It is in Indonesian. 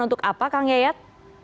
untuk apa kang geyat